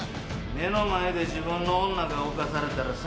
目の前で自分の女が犯されたら最悪やろ？